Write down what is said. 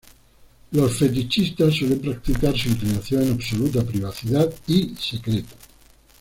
Los fetichistas suelen practicar su inclinación en absoluta privacidad y secreto.